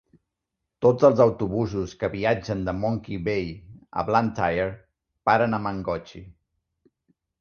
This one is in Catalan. Tots els autobusos que viatgen de Monkey Bay a Blantyre paren a Mangochi.